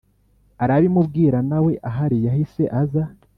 arabimubwira nawe ahari yahise aza